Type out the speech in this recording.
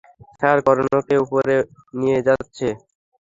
Sir, কর্ণকে উপরে নিয়ে যাচ্ছে।